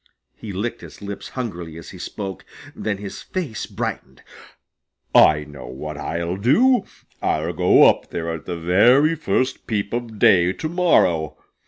He licked his lips hungrily as he spoke. Then his face brightened. "I know what I'll do! I'll go up there at the very first peep of day to morrow.